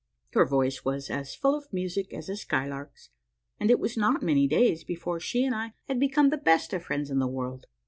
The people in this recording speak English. Her voice was as full of music as a skylark's, and it was not many days before she and I had become the best friends in the world.